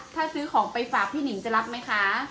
ถ้าซื้อของไปฝากพี่หนิงจะรับไหมคะ